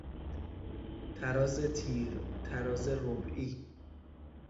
تراز تیر، تراز ربعی